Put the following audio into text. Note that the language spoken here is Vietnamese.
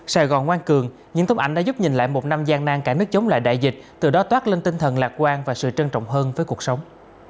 sài gòn ngoan cường những tấm ảnh đã giúp nhìn lại một năm gian nan cả nước chống lại đại dịch từ đó toát lên tinh thần lạc quan và sự trân trọng hơn với cuộc sống